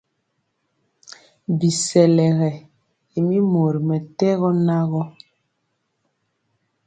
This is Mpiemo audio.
Bisɛlege y mi mori mɛtɛgɔ nan gɔ.